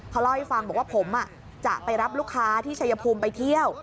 เขาเล่าให้ฟังบอกว่าผมจะไปรับลูกค้าที่ชายภูมิไปเที่ยว